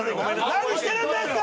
何してるんですか！